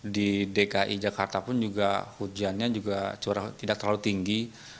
di dki jakarta pun juga hujannya juga curah tidak terlalu tinggi